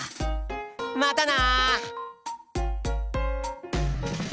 またな。